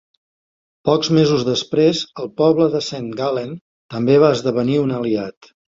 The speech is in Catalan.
Pocs mesos després el poble de Saint Gallen també va esdevenir un aliat.